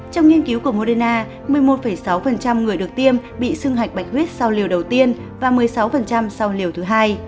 trong nghiên cứu của moderna một mươi một sáu người được tiêm bị sưng hạch bạch huyết sau liều đầu tiên và một mươi sáu sau liều thứ hai